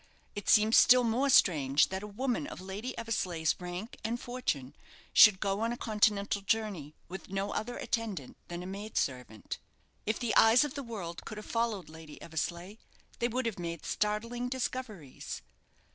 It seemed still more strange that a woman of Lady Eversleigh's rank and fortune should go on a Continental journey with no other attendant than a maid servant. If the eyes of the world could have followed Lady Eversleigh, they would have made startling discoveries.